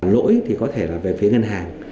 lỗi thì có thể là về phía ngân hàng